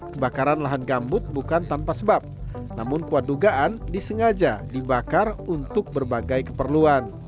kebakaran lahan gambut bukan tanpa sebab namun kuat dugaan disengaja dibakar untuk berbagai keperluan